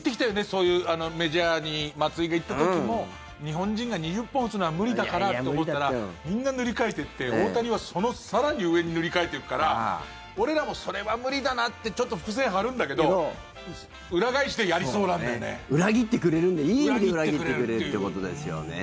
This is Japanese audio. そういうメジャーに松井が行った時も日本人が２０本打つのは無理だからって思ったらみんな塗り替えてって大谷は、その更に上に塗り替えていくから俺らもそれは無理だなってちょっと伏線張るんだけど裏切ってくれるんでいい意味で裏切ってくれるってことですよね。